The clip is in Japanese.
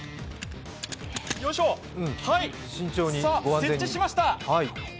はい、さあ設置しました。